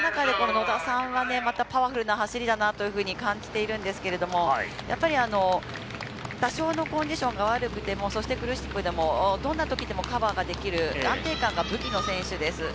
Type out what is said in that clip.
その中で野田さんはパワフルな走りだなと感じていますけれど、やっぱり多少のコンディションが悪くても苦しくても、どんなときでもカバーができる安定感が武器の選手です。